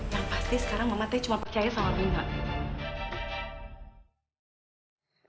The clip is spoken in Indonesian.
yang pasti sekarang mama t cuma percaya sama binda